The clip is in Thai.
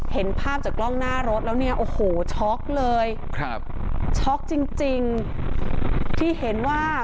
เห็นภาพจากกล้องหน้ารถแล้วเนี่ยโอ้โหช็อกเลยครับช็อกจริงจริงที่เห็นว่า